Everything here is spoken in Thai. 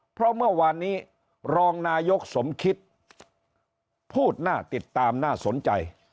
เพราะเมื่อวานนี้รองนายกสมคิตพูดน่าติดตามน่าสนใจ